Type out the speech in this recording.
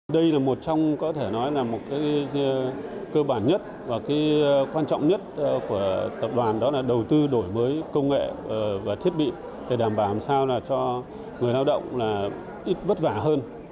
đây là một trong có thể nói là một cơ bản nhất và quan trọng nhất của tập đoàn đó là đầu tư đổi mới công nghệ và thiết bị để đảm bảo làm sao cho người lao động ít vất vả hơn